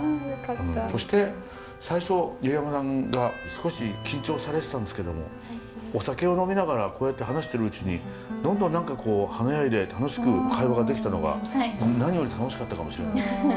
そして最初入山さんが少し緊張されてたんですけどもお酒を呑みながらこうやって話してるうちにどんどん何かこう華やいで楽しく会話ができたのが何より楽しかったかもしれないです。